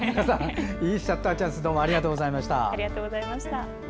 いいシャッターチャンスどうもありがとうございました。